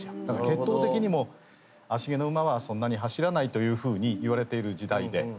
だから血統的にも芦毛の馬はそんなに走らないというふうに言われている時代で。